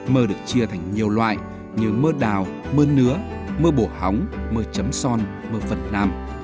mơ được chia thành nhiều loại như mơ đào mơ nứa mơ bổ hóng mơ chấm son mơ phần nam